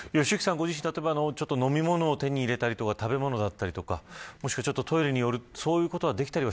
ご自身、例えば飲み物を手に入れたりとか食べ物だったりとかもしくはトイレに寄るそういうことはできたりは